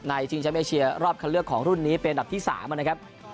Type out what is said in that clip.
ชิงแชมป์เอเชียรอบคันเลือกของรุ่นนี้เป็นอันดับที่๓นะครับ